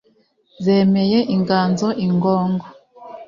zemeye inganzo ingongo